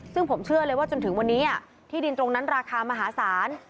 ซึ่งผมเชื่อเลยว่าจนถึงวันนี้ที่ดินตรงนั้นราคามหาศาล